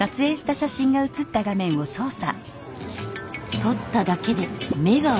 撮っただけで目が大きい。